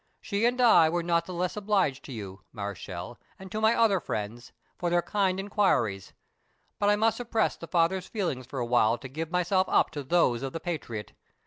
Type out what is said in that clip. "She and I were not the less obliged to you, Mareschal, and to my other friends, for their kind enquiries. But I must suppress the father's feelings for a while to give myself up to those of the patriot.